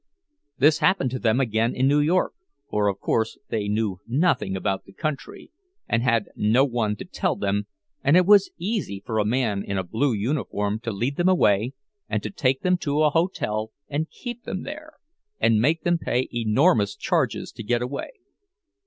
This happened to them again in New York—for, of course, they knew nothing about the country, and had no one to tell them, and it was easy for a man in a blue uniform to lead them away, and to take them to a hotel and keep them there, and make them pay enormous charges to get away.